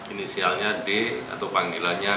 inisialnya d atau panggilannya